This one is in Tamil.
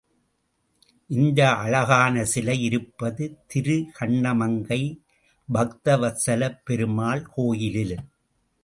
இந்த அழகான சிலை இருப்பது திருகண்ணமங்கை பக்தவத்ஸலப் பெருமாள் கோயிலில்.